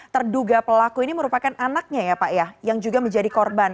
terduga pelaku ini merupakan anaknya ya pak ya yang juga menjadi korban